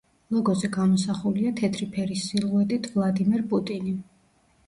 ლოგოზე გამოსახულია თეთრი ფერის სილუეტით ვლადიმერ პუტინი.